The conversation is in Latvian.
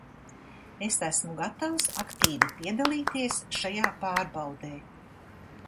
Es esmu gatavs aktīvi piedalīties šajā pārbaudē.